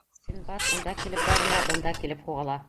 Синдбад унда килеп бәрелә, бында килеп һуғыла.